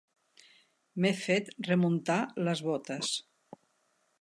M'he fet remuntar les botes.